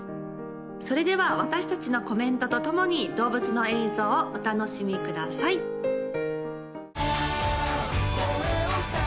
それでは私達のコメントとともに動物の映像をお楽しみくださいさあ